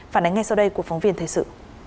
phản ánh ngay sau đây của phóng viên thời sự